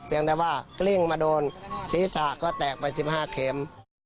ยังแต่ว่ากลิ้งมาโดนศีรษะก็แตกไป๑๕เข็ม